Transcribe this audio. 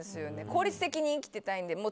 効率的に生きていたいんで。